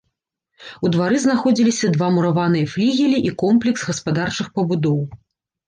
У двары знаходзіліся два мураваныя флігелі і комплекс гаспадарчых пабудоў.